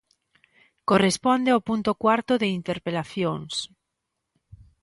Corresponde o punto cuarto, de interpelacións.